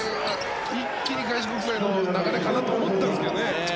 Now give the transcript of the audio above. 一気に開志国際の流れかなと思ったんですけどね。